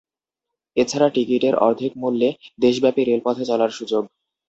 এ ছাড়া টিকিটের অর্ধেক মূল্যে দেশব্যাপী রেলপথে চলার সুযোগ।